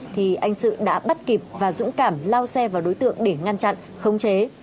thì anh sự đã bắt kịp và dũng cảm lao xe vào đối tượng để ngăn chặn khống chế